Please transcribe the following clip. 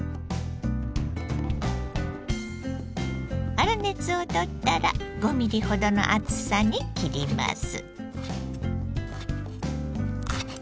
粗熱を取ったら５ミリほどの厚さに切ります。